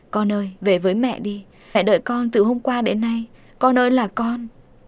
con ơi về với mẹ đi hãy đợi con từ hôm qua đến nay con ơi là con